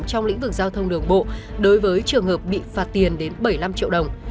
trong lĩnh vực giao thông đường bộ đối với trường hợp bị phạt tiền đến bảy mươi năm triệu đồng